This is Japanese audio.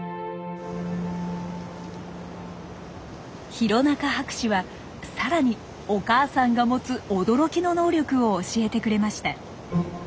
弘中博士は更にお母さんが持つ驚きの能力を教えてくれました。